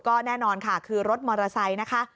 ก็แน่นอนค่ะคือรถมอเตอร์ไซค์นะคะ